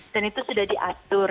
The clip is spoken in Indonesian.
dan itu sudah diatur